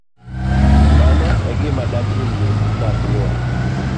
Mano egima datimni nyathiwa